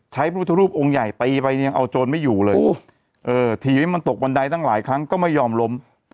พระพุทธรูปองค์ใหญ่ตีไปเนี่ยเอาโจรไม่อยู่เลยทีนี้มันตกบันไดตั้งหลายครั้งก็ไม่ยอมล้ม